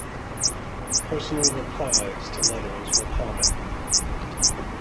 Personal replies to letters were common.